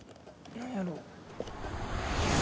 何やろ。